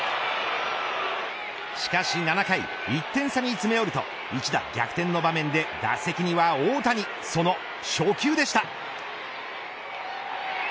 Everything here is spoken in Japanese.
しかし７回１点差に詰め寄ると一打逆転の場面で打席には大谷その初球でした。